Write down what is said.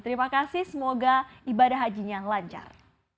terima kasih semoga ibadah hajinya lancar